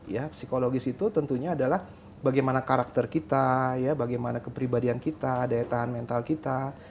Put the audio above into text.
ya psikologis itu tentunya adalah bagaimana karakter kita ya bagaimana kepribadian kita daya tahan mental kita